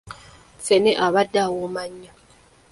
Ffene abadde awooma nnyo.